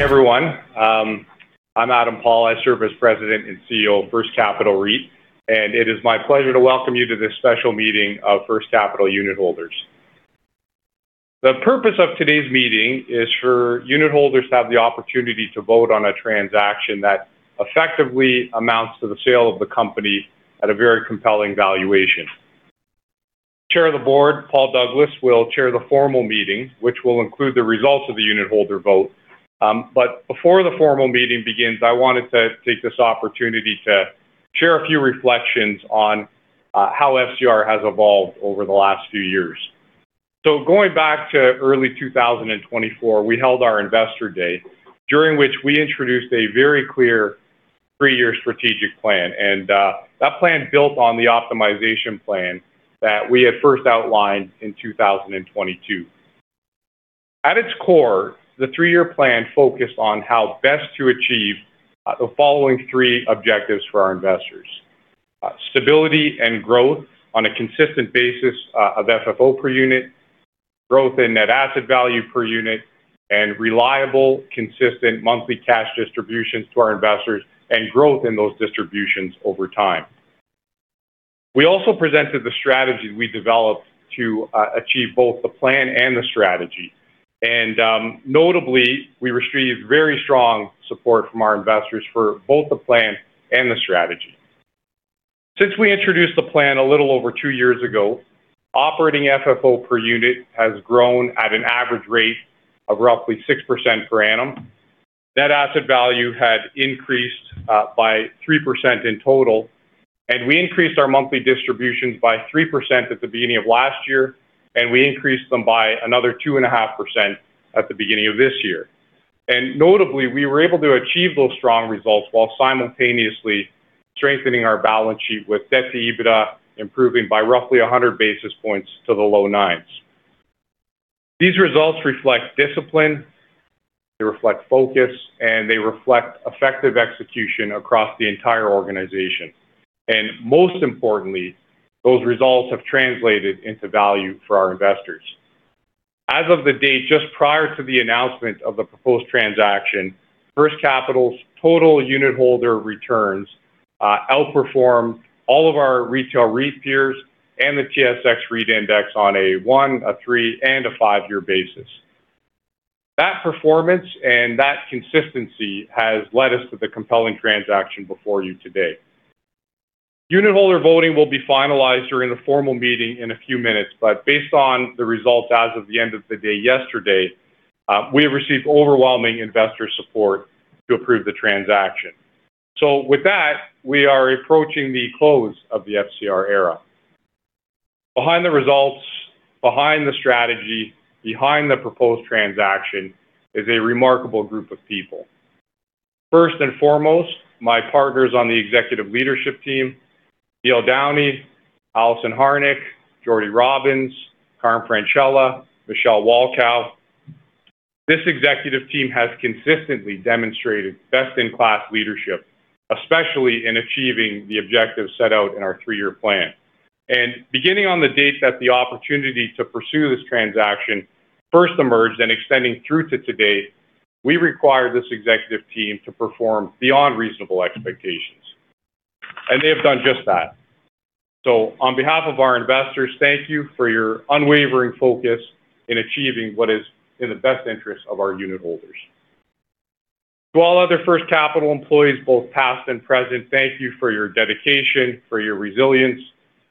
Hey everyone. I'm Adam Paul. I serve as President and CEO of First Capital REIT, and it is my pleasure to welcome you to this special meeting of First Capital unitholders. The purpose of today's meeting is for unitholders to have the opportunity to vote on a transaction that effectively amounts to the sale of the company at a very compelling valuation. Chair of the board, Paul Douglas, will chair the formal meeting, which will include the results of the unitholder vote. Before the formal meeting begins, I wanted to take this opportunity to share a few reflections on how FCR has evolved over the last few years. Going back to early 2024, we held our Investor Day, during which we introduced a very clear three-year strategic plan. That plan built on the optimization plan that we had first outlined in 2022. At its core, the three-year plan focused on how best to achieve the following three objectives for our investors. Stability and growth on a consistent basis of FFO per unit, growth in net asset value per unit, and reliable, consistent monthly cash distributions to our investors, and growth in those distributions over time. We also presented the strategy we developed to achieve both the plan and the strategy. Notably, we received very strong support from our investors for both the plan and the strategy. Since we introduced the plan a little over two years ago, operating FFO per unit has grown at an average rate of roughly 6% per annum. Net asset value had increased by 3% in total, and we increased our monthly distributions by 3% at the beginning of last year, and we increased them by another 2.5% at the beginning of this year. Notably, we were able to achieve those strong results while simultaneously strengthening our balance sheet with debt to EBITDA improving by roughly 100 basis points to the low nines. These results reflect discipline, they reflect focus, and they reflect effective execution across the entire organization. Most importantly, those results have translated into value for our investors. As of the date just prior to the announcement of the proposed transaction, First Capital's total unitholder returns outperformed all of our retail REIT peers and the TSX REIT Index on a one, a three, and a five-year basis. That performance and that consistency has led us to the compelling transaction before you today. Unitholder voting will be finalized during a formal meeting in a few minutes, but based on the results as of the end of the day yesterday, we have received overwhelming investor support to approve the transaction. With that, we are approaching the close of the FCR era. Behind the results, behind the strategy, behind the proposed transaction is a remarkable group of people. First and foremost, my partners on the executive leadership team, Neil Downey, Alison Harnick, Jordi Robins, Carm Francella, Michele Walkau. This executive team has consistently demonstrated best-in-class leadership, especially in achieving the objectives set out in our three-year plan. Beginning on the date that the opportunity to pursue this transaction first emerged and extending through to today, we required this executive team to perform beyond reasonable expectations, and they have done just that. On behalf of our investors, thank you for your unwavering focus in achieving what is in the best interest of our unitholders. To all other First Capital employees, both past and present, thank you for your dedication, for your resilience,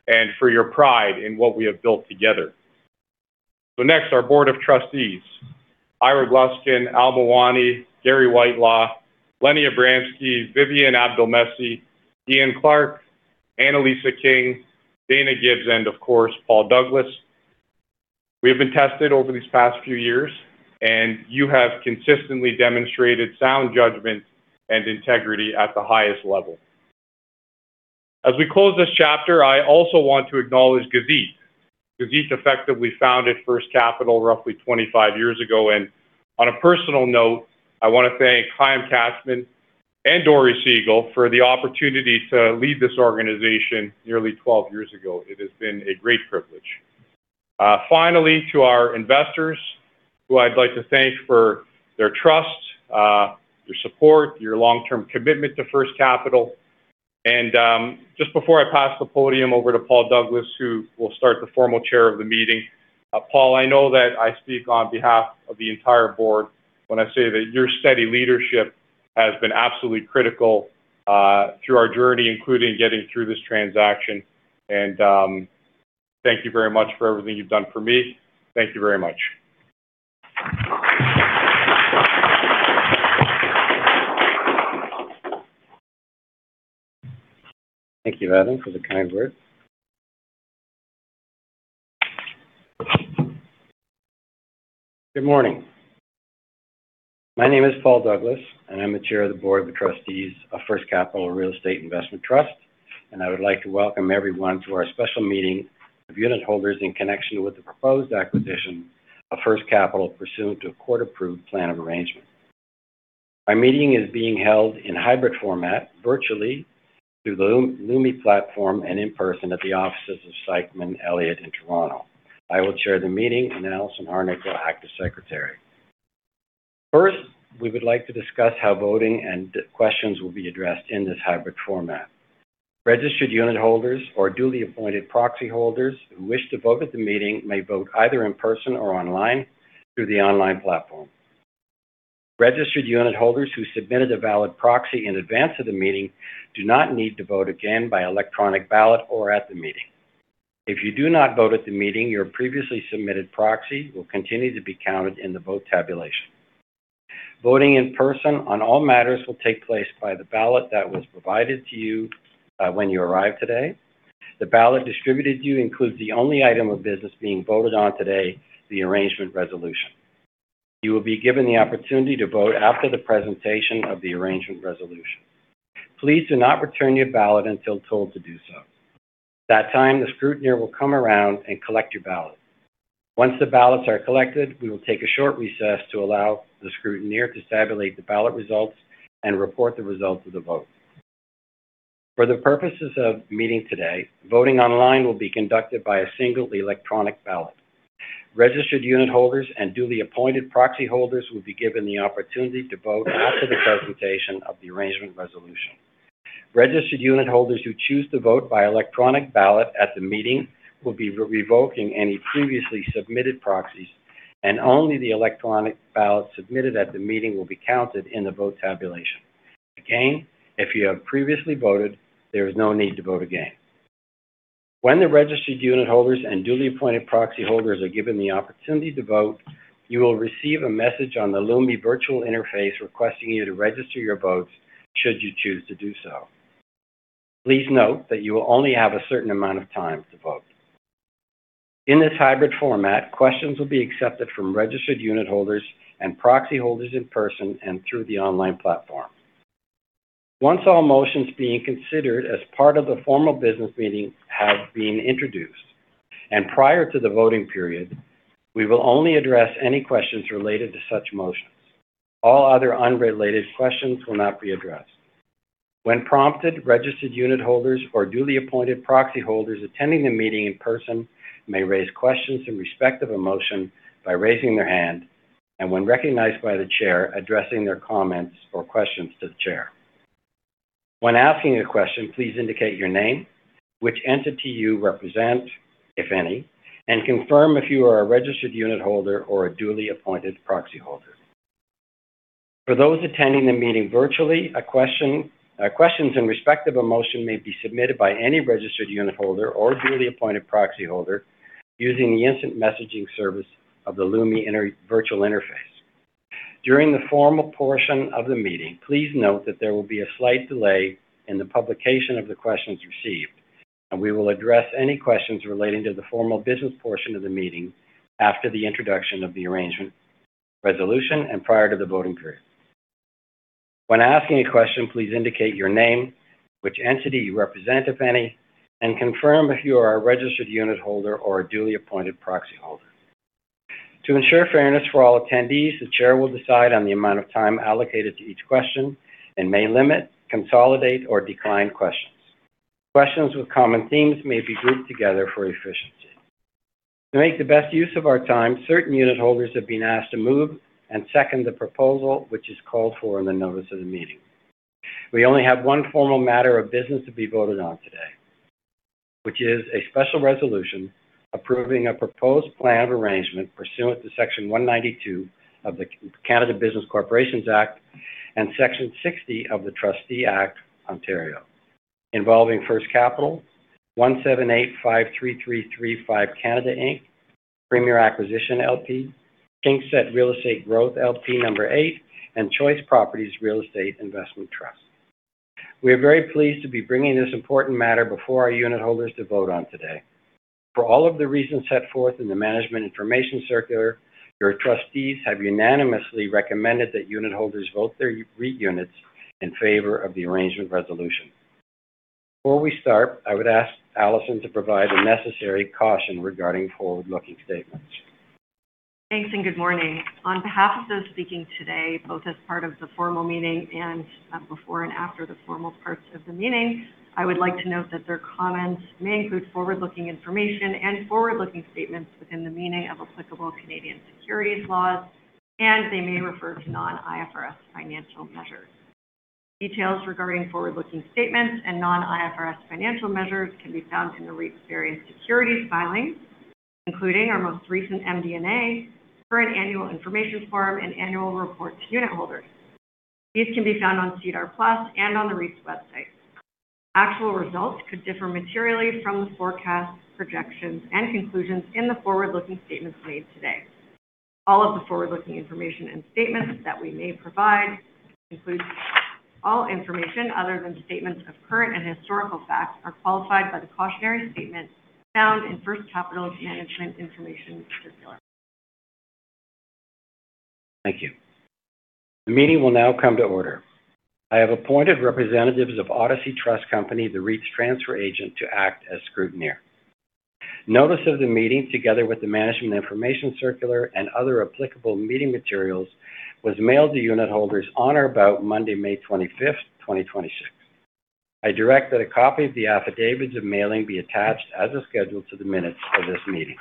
and for your pride in what we have built together. Next, our Board of Trustees, Ira Gluskin, Al Mawani, Gary Whitelaw, Lenny Abramsky, Vivian Abdelmessih, Ian Clarke, Annalisa King, Dayna Gibbs, and of course, Paul Douglas. We have been tested over these past few years, and you have consistently demonstrated sound judgment and integrity at the highest level. As we close this chapter, I also want to acknowledge Gazit. Gazit effectively founded First Capital roughly 25 years ago. On a personal note, I want to thank Chaim Katzman and Dori Segal for the opportunity to lead this organization nearly 12 years ago. It has been a great privilege. Finally, to our investors, who I'd like to thank for their trust, your support, your long-term commitment to First Capital. Just before I pass the podium over to Paul Douglas, who will start the formal Chair of the meeting. Paul, I know that I speak on behalf of the entire board when I say that your steady leadership has been absolutely critical through our journey, including getting through this transaction. Thank you very much for everything you've done for me. Thank you very much. Thank you, Adam, for the kind words. Good morning. My name is Paul Douglas, and I'm the Chair of the Board of Trustees of First Capital Real Estate Investment Trust. I would like to welcome everyone to our special meeting of unitholders in connection with the proposed acquisition of First Capital pursuant to a court-approved plan of arrangement. Our meeting is being held in hybrid format virtually through the Lumi platform and in person at the offices of Stikeman Elliott in Toronto. I will chair the meeting, and Alison Harnick will act as secretary. First, we would like to discuss how voting and questions will be addressed in this hybrid format. Registered unitholders or duly appointed proxyholders who wish to vote at the meeting may vote either in person or online through the online platform. Registered unitholders who submitted a valid proxy in advance of the meeting do not need to vote again by electronic ballot or at the meeting. If you do not vote at the meeting, your previously submitted proxy will continue to be counted in the vote tabulation. Voting in person on all matters will take place by the ballot that was provided to you when you arrived today. The ballot distributed to you includes the only item of business being voted on today, the arrangement resolution. You will be given the opportunity to vote after the presentation of the arrangement resolution. Please do not return your ballot until told to do so. At that time, the scrutineer will come around and collect your ballot. Once the ballots are collected, we will take a short recess to allow the scrutineer to tabulate the ballot results and report the results of the vote. For the purposes of the meeting today, voting online will be conducted by a single electronic ballot. Registered unitholders and duly appointed proxyholders will be given the opportunity to vote after the presentation of the arrangement resolution. Registered unitholders who choose to vote by electronic ballot at the meeting will be revoking any previously submitted proxies, and only the electronic ballot submitted at the meeting will be counted in the vote tabulation. Again, if you have previously voted, there is no need to vote again. When the registered unitholders and duly appointed proxyholders are given the opportunity to vote, you will receive a message on the Lumi virtual interface requesting you to register your votes should you choose to do so. Please note that you will only have a certain amount of time to vote. In this hybrid format, questions will be accepted from registered unitholders and proxyholders in person and through the online platform. Once all motions being considered as part of the formal business meeting have been introduced, and prior to the voting period, we will only address any questions related to such motions. All other unrelated questions will not be addressed. When prompted, registered unitholders or duly appointed proxyholders attending the meeting in person may raise questions in respect of a motion by raising their hand, and when recognized by the chair, addressing their comments or questions to the chair. When asking a question, please indicate your name, which entity you represent, if any, and confirm if you are a registered unitholder or a duly appointed proxyholder. For those attending the meeting virtually, questions in respect of a motion may be submitted by any registered unitholder or duly appointed proxyholder using the instant messaging service of the Lumi virtual interface. During the formal portion of the meeting, please note that there will be a slight delay in the publication of the questions received, and we will address any questions relating to the formal business portion of the meeting after the introduction of the arrangement resolution and prior to the voting period. When asking a question, please indicate your name, which entity you represent, if any, and confirm if you are a registered unitholder or a duly appointed proxyholder. To ensure fairness for all attendees, the chair will decide on the amount of time allocated to each question and may limit, consolidate, or decline questions. Questions with common themes may be grouped together for efficiency. To make the best use of our time, certain unitholders have been asked to move and second the proposal, which is called for in the notice of the meeting. We only have one formal matter of business to be voted on today, which is a special resolution approving a proposed plan of arrangement pursuant to Section 192 of the Canada Business Corporations Act and Section 60 of the Trustee Act, Ontario, involving First Capital 17853335 Canada Inc., Premier Acquisition LP, KingSett Real Estate Growth LP No. 8, and Choice Properties Real Estate Investment Trust. We are very pleased to be bringing this important matter before our unitholders to vote on today. For all of the reasons set forth in the management information circular, your trustees have unanimously recommended that unitholders vote their REIT units in favor of the arrangement resolution. Before we start, I would ask Alison to provide the necessary caution regarding forward-looking statements. Thanks. Good morning. On behalf of those speaking today, both as part of the formal meeting and before and after the formal parts of the meeting, I would like to note that their comments may include forward-looking information and forward-looking statements within the meaning of applicable Canadian securities laws, they may refer to non-IFRS financial measures. Details regarding forward-looking statements and non-IFRS financial measures can be found in the REIT's various securities filings, including our most recent MD&A, current annual information form, and annual report to unitholders. These can be found on SEDAR+ and on the REIT's website. Actual results could differ materially from the forecasts, projections, and conclusions in the forward-looking statements made today. All of the forward-looking information and statements that we may provide includes all information other than statements of current and historical facts are qualified by the cautionary statement found in First Capital's management information circular. Thank you. The meeting will now come to order. I have appointed representatives of Odyssey Trust Company, the REIT's transfer agent, to act as scrutineer. Notice of the meeting, together with the Management Information Circular and other applicable meeting materials, was mailed to unitholders on or about Monday, May 25th, 2026. I direct that a copy of the Affidavits of Mailing be attached as a schedule to the minutes of this meeting.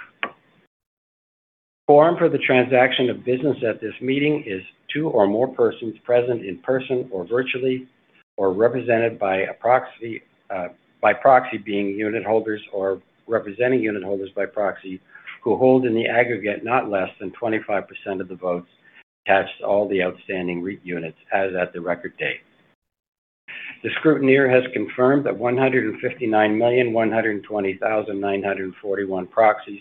Quorum for the transaction of business at this meeting is two or more persons present in person or virtually, or represented by proxy, being unitholders or representing unitholders by proxy, who hold in the aggregate not less than 25% of the votes attached to all the outstanding REIT units as at the record date. The scrutineer has confirmed that 159,120,941 proxies,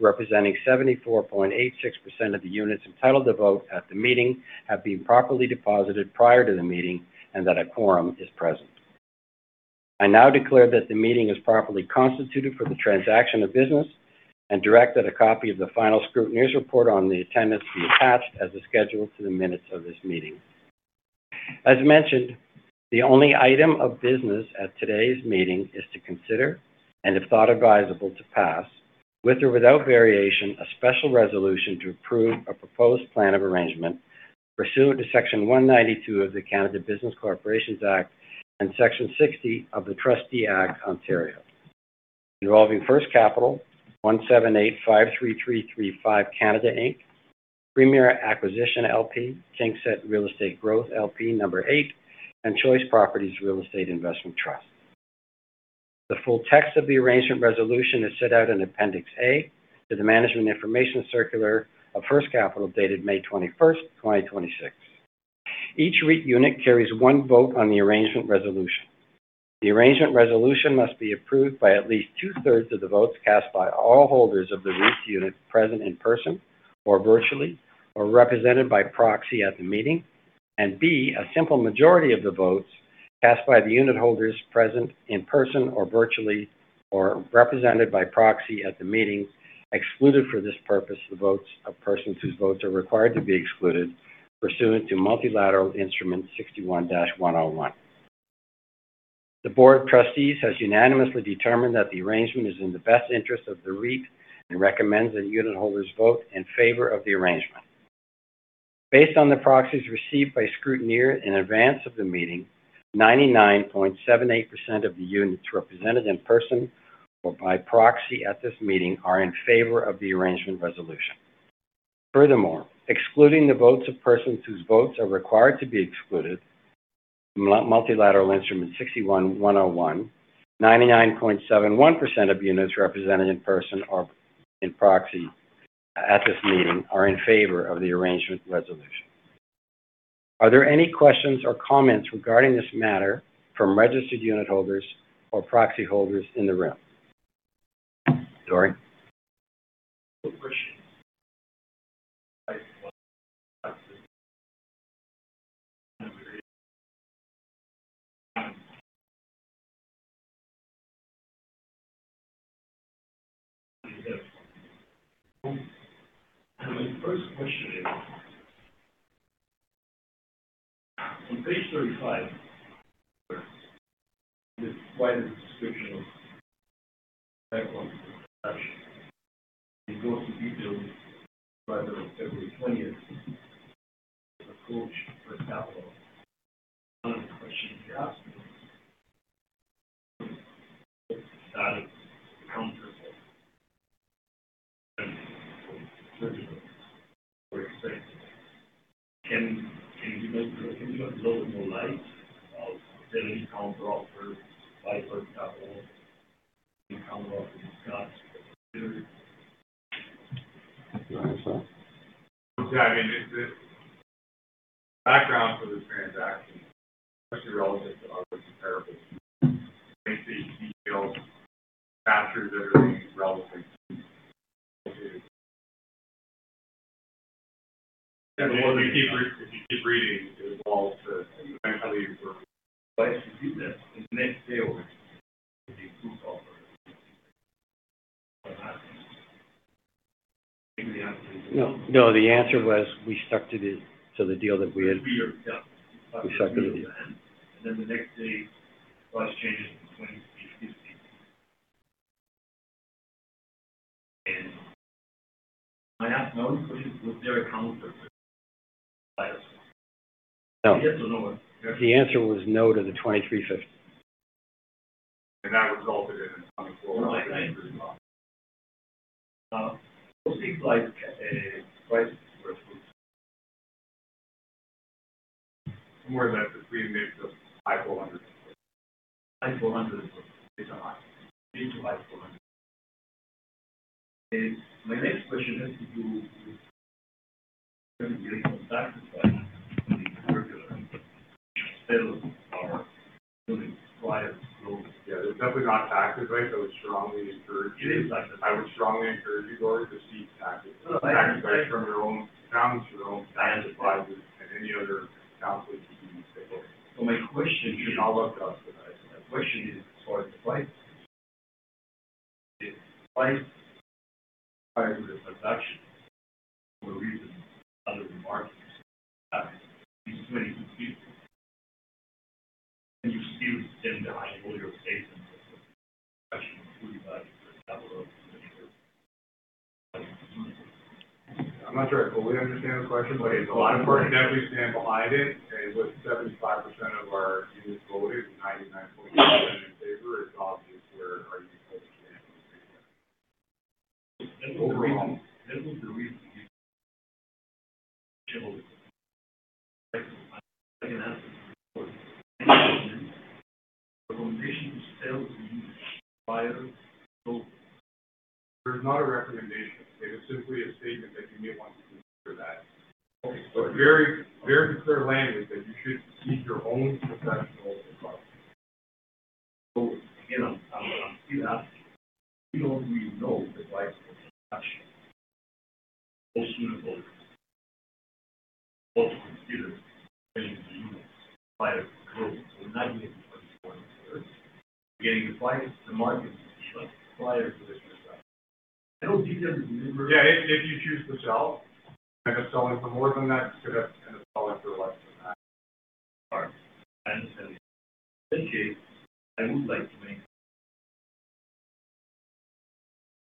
representing 74.86% of the units entitled to vote at the meeting, have been properly deposited prior to the meeting and that a quorum is present. I now declare that the meeting is properly constituted for the transaction of business and direct that a copy of the final scrutineer's report on the attendance be attached as a schedule to the minutes of this meeting. As mentioned, the only item of business at today's meeting is to consider and, if thought advisable, to pass, with or without variation, a special resolution to approve a proposed plan of arrangement pursuant to Section 192 of the Canada Business Corporations Act and Section 60 of the Trustee Act, Ontario, involving First Capital 17853335 Canada Inc., Premier Acquisition LP, KingSett Real Estate Growth LP No. 8, and Choice Properties Real Estate Investment The full text of the arrangement resolution is set out in Appendix A to the Management Information Circular of First Capital, dated May 21st, 2026. Each REIT unit carries one vote on the arrangement resolution. The arrangement resolution must be approved by at least 2/3 of the votes cast by all holders of the REIT units present in person or virtually, or represented by proxy at the meeting, and B, a simple majority of the votes cast by the unitholders present in person or virtually, or represented by proxy at the meeting, excluded for this purpose the votes of persons whose votes are required to be excluded pursuant to Multilateral Instrument 61-101. The Board of Trustees has unanimously determined that the arrangement is in the best interest of the REIT and recommends that unitholders vote in favor of the arrangement. Based on the proxies received by scrutineer in advance of the meeting, 99.78% of the units represented in person or by proxy at this meeting are in favor of the arrangement resolution. Furthermore, excluding the votes of persons whose votes are required to be excluded from Multilateral Instrument 61-101, 99.71% of units represented in person or in proxy at this meeting are in favor of the arrangement resolution. Are there any questions or comments regarding this matter from registered unitholders or proxyholders in the room? Dori? A question. My first question is, on page 35, there's quite a description of background. It goes to details by February 20th approach First Capital. One of the questions you're asking is, if that is a counteroffer from the circular or extent, can you go through a little more light of did any counteroffers by First Capital in counteroffer discussion period? I'm sorry, what's that? Yeah, the background for the transaction, especially relevant to other comparables, makes these detailed factors that are relevant to If you keep reading, it involves. Why did you do that? The next day, it was a group offer. No, the answer was we stuck to the deal that we had. Yeah. We stuck to the- Then the next day, price changes from CAD 23.50. My last note for you, was there a counter for this price? No. Yes or no. The answer was no to the 23.50. That resulted. It seems like a price for a group. More that the three mixed of high CAD 400s. High CAD 400s is a high. Mid to high CAD 400s. My next question has to do with getting some taxes that the circular says are really quite. They're definitely not taxed, right. It is like that. I would strongly encourage you, Dori, to seek taxes from your own accountants, your own advisors, and any other counsel that you need to take over. My question- You should not look to us for that. My question is as far as the price. If price prior to the reduction for reasons other than markets, these committees would see. Do you stand behind the board's statement with respect to the question of who we voted for capital administrator? I'm not sure I fully understand the question. If the board definitely stands behind it, with 75% of our units voted and 99.7% in favor, it's obvious where our unitholders stand on the statement. That was the reason given to unitholders. I can answer for any statement. The recommendation is still to unit buyers. There's not a recommendation. It is simply a statement that you may want to consider that. Okay. Very clear language that you should seek your own professional advice. Again, I'm still asking, we don't really know the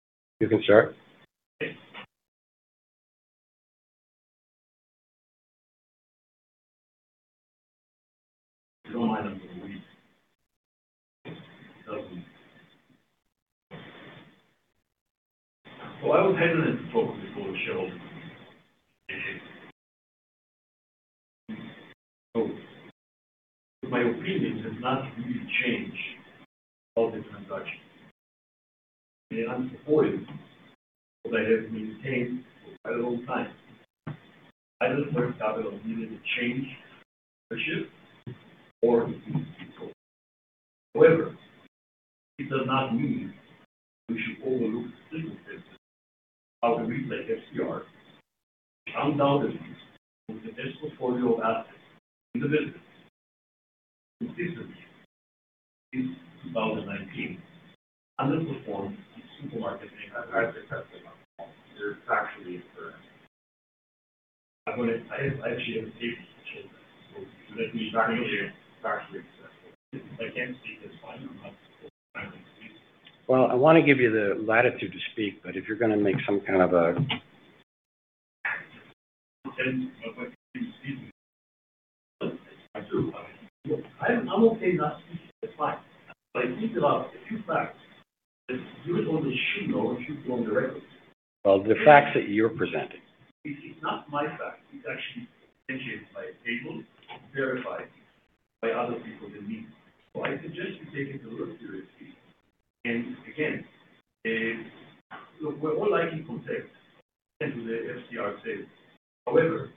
advice of the transaction. Most unitholders also considered units by approval. In 1944, they're beginning to find the market to suppliers. I know details of the universe. Yeah, if you choose to sell. You could end up selling for more than that, could have end up selling for less than that. All right. I understand. In that case, I would like to make- You can start. Okay. Don't mind them for a week. I was hesitant to talk before the shareholders meeting. My opinions have not really changed about the transaction. I'm supported what I have maintained for quite a long time. I don't support capital needed to change ownership or lead people. However, it does not mean we should overlook the signal statement, how the REIT like FCR churned out the REIT with the best portfolio of assets in the business. Consistently, since 2019, underperformed the market. I actually have to interrupt you. You're factually incorrect. [inaudible] Factually incorrect. I can't see this line on my screen. Well, I want to give you the latitude to speak, if you're going to make some kind of a Content of what you see. I'm okay not speaking, that's fine. I think about a few facts that you and all the SH should know if you've gone directly. Well, the facts that you're presenting. It's not my fact. It's actually initiated by a table verified by other people than me. I suggest you take it a little seriously. Again, look, we're all lacking context into the FCR sale. However,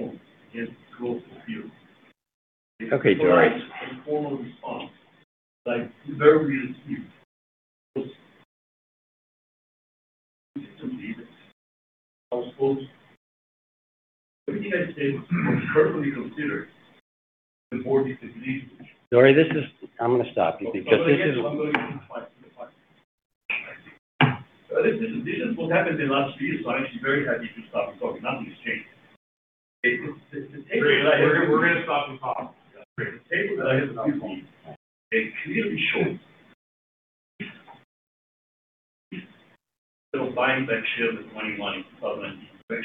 of FCR materially underperformed against growth peers. Okay, Dori. Formal response, like very realistic. Some leaders, I was told, what do you guys say when you personally consider the board's decision? Dori, I'm going to stop you because this is- I'm going to finish my point. This is what happened in the last three years, I'm actually very happy to stop talking, not to exchange. Dori, we're going to stop and pause. The table that I have clearly shows they'll buy back shares in 2020, 2019, actually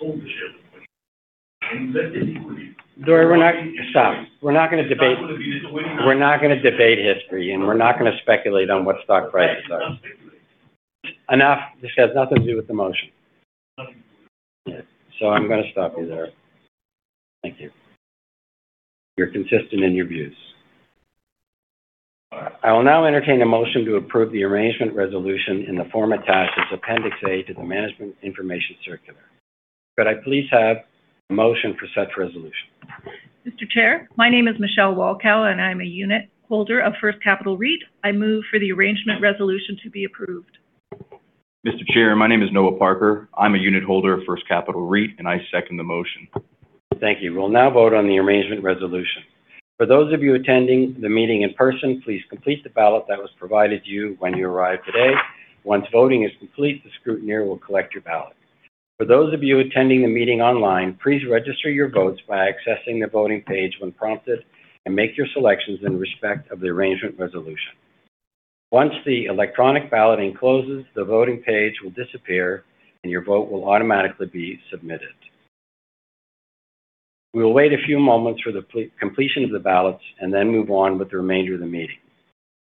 sold the shares. That didn't really- Dori, we're not stop. We're not going to debate. I'm going to be- We're not going to debate history, and we're not going to speculate on what stock prices are. Okay, I'm not speculating. Enough. This has nothing to do with the motion. Nothing to do with the motion. Yeah. I'm going to stop you there. Thank you. You're consistent in your views. I will now entertain a motion to approve the arrangement resolution in the form attached as Appendix A to the Management Information Circular. Could I please have a motion for such resolution? Mr. Chair, my name is Michele Walkau, and I'm a unitholder of First Capital REIT. I move for the arrangement resolution to be approved. Mr. Chair, my name is Noah Parker. I'm a unit holder of First Capital REIT, and I second the motion. Thank you. We'll now vote on the arrangement resolution. For those of you attending the meeting in person, please complete the ballot that was provided to you when you arrived today. Once voting is complete, the scrutineer will collect your ballot. For those of you attending the meeting online, please register your votes by accessing the voting page when prompted and make your selections in respect of the arrangement resolution. Once the electronic balloting closes, the voting page will disappear and your vote will automatically be submitted. We will wait a few moments for the completion of the ballots and then move on with the remainder of the meeting.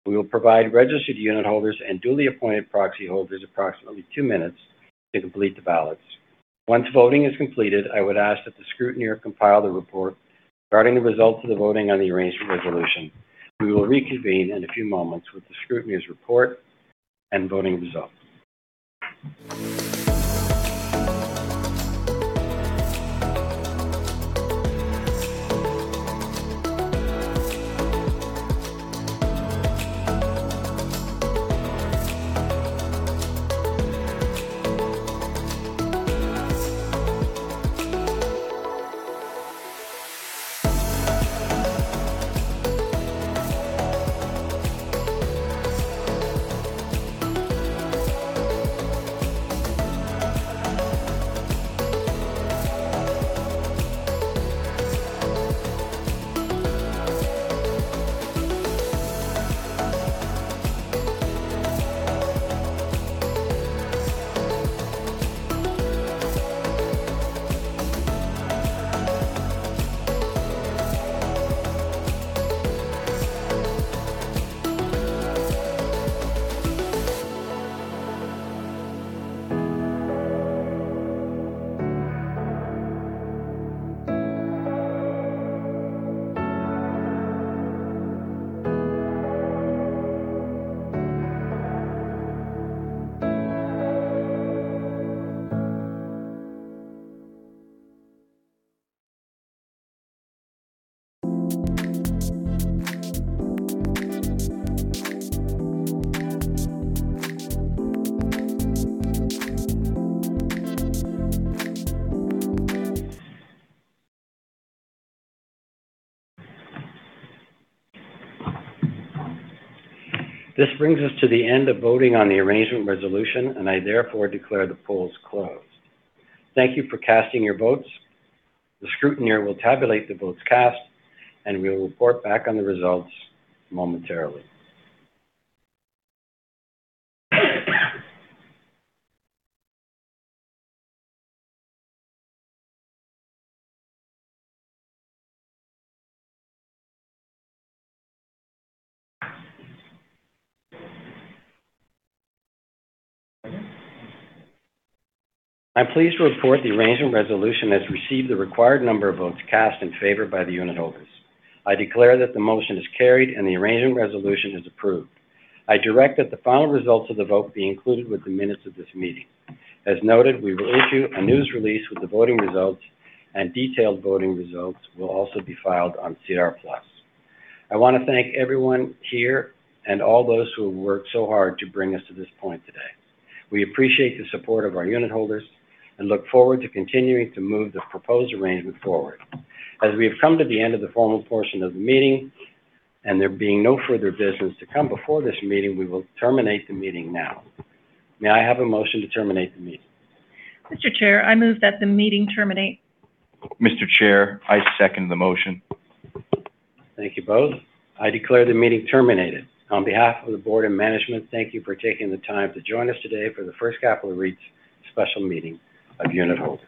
We will provide registered unitholders and duly appointed proxyholders approximately two minutes to complete the ballots. Once voting is completed, I would ask that the scrutineer compile the report regarding the results of the voting on the arrangement resolution. We will reconvene in a few moments with the scrutineer's report and voting results. This brings us to the end of voting on the arrangement resolution, and I therefore declare the polls closed. Thank you for casting your votes. The scrutineer will tabulate the votes cast, and we will report back on the results momentarily. I'm pleased to report the arrangement resolution has received the required number of votes cast in favor by the unitholders. I declare that the motion is carried and the arrangement resolution is approved. I direct that the final results of the vote be included with the minutes of this meeting. As noted, we will issue a news release with the voting results, and detailed voting results will also be filed on SEDAR+. I want to thank everyone here and all those who have worked so hard to bring us to this point today. We appreciate the support of our unitholders and look forward to continuing to move this proposed arrangement forward. As we have come to the end of the formal portion of the meeting, and there being no further business to come before this meeting, we will terminate the meeting now. May I have a motion to terminate the meeting? Mr. Chair, I move that the meeting terminate. Mr. Chair, I second the motion. Thank you both. I declare the meeting terminated. On behalf of the board and management, thank you for taking the time to join us today for the First Capital REIT's special meeting of unitholders.